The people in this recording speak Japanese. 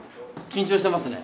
緊張してますね。